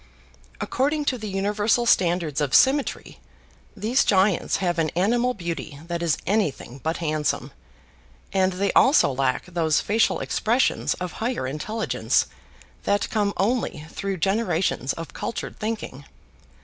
According to the universal standards of symmetry, these giants have an animal beauty that is anything but handsome, and they also lack those facial expressions of higher intelligence that come only through generations of cultured thinking.